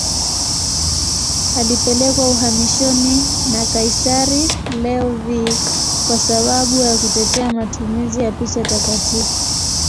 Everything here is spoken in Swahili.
Alipelekwa uhamishoni na kaisari Leo V kwa sababu ya kutetea matumizi ya picha takatifu.